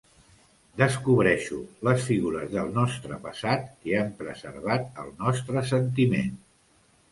Descobreixo les figures del nostre passat que han preservat el nostre sentiment.